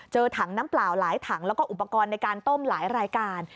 ถังน้ำเปล่าหลายถังแล้วก็อุปกรณ์ในการต้มหลายรายการ